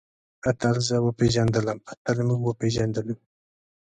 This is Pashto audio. اتل زه وپېژندلم. اتل موږ وپېژندلو.